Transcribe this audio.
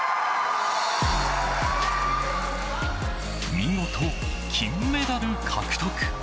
見事、金メダル獲得！